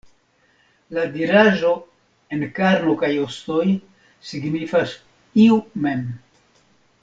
La diraĵo "en karno kaj ostoj" signifas "iu mem".